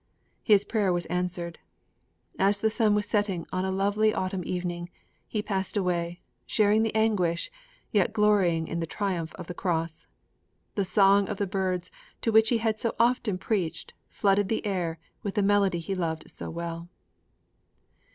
His prayer was answered. As the sun was setting on a lovely autumn evening, he passed away, sharing the anguish, yet glorying in the triumph of the Cross. The song of the birds to whom he had so often preached flooded the air with the melody he loved so well.